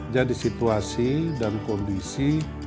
jadi situasi dan kondisi